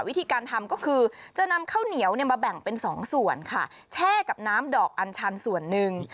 วิธีการทำก็คือจะนำข้าวเหนียวเนี่ยมาแบ่งเป็นสองส่วนค่ะแช่กับน้ำดอกอัญชันส่วนหนึ่ง